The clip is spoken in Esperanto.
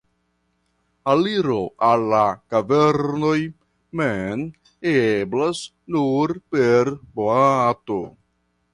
Aliro al la kavernoj mem eblas nur per boato.